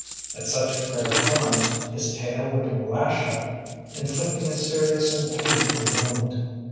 At such rare times, his tail would lash up, inflicting a serious and painful wound.